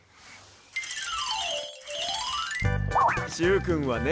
しゅうくんはね